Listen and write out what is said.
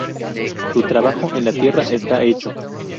Tu trabajo en la Tierra está hecho.